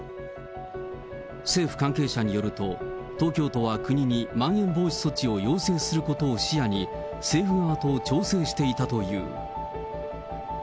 政府関係者によると、東京都は国にまん延防止措置を要請することを視野に、政府側と調整していたという。